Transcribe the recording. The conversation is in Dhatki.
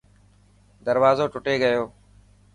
دروازو ٽٽي گيو.